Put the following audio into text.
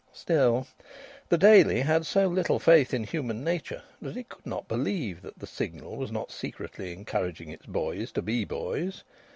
Still, the Daily had so little faith in human nature that it could not believe that the Signal was not secretly encouraging its boys to be boys.